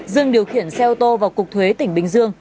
dương điều khiển xe ô tô vào cục thuế tỉnh bình dương